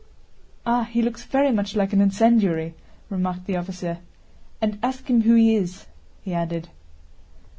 "Ah, he looks very much like an incendiary," remarked the officer. "And ask him who he is," he added.